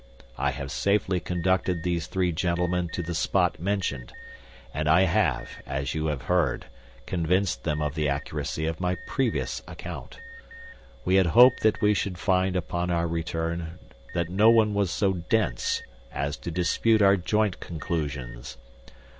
I have safely conducted these three gentlemen to the spot mentioned, and I have, as you have heard, convinced them of the accuracy of my previous account. We had hoped that we should find upon our return that no one was so dense as to dispute our joint conclusions.